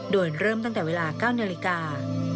โดยเริ่มตั้งแต่เวลา๙นาฬิกา